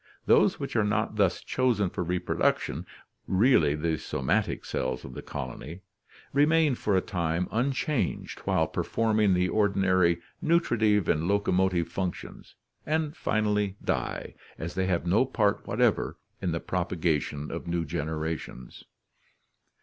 Those which are not thus chosen for reproduction, really the soma tic cells of the colony, remain for a time unchanged while performing the ordinary nutritive and locomotive functions, and finally die, as they have no part whatever in the propagation of new generations.